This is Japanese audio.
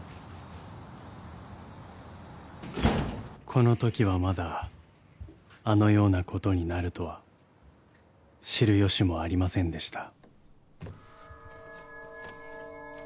［このときはまだあのようなことになるとは知る由もありませんでした］